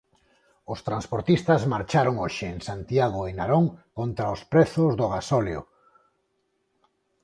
Os transportistas marcharon hoxe en Santiago e Narón contra os prezos do gasóleo.